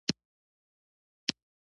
د مالیې نه ورکول جرم دی.